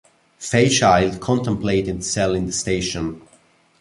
Fairchild contemplated selling the station.